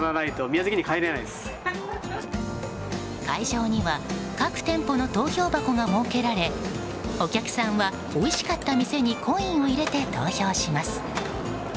会場には各店舗の投票箱が設けられお客さんはおいしかった店にコインを入れて投票します。